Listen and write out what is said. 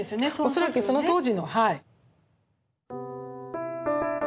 恐らくその当時のはい。